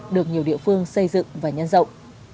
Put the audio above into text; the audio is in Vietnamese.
được nhiều địa phương xây dựng và nhân rộng